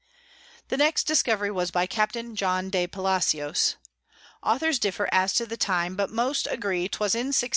The next Discovery was by Capt. John de Palacios. Authors differ as to the time; but most agree 'twas in 1635.